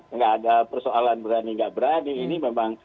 enggak ada persoalan berani enggak berani ini memang